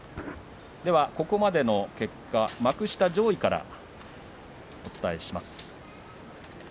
ここまでの結果幕下上位からお伝えします。